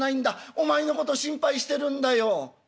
お前のこと心配してるんだよ。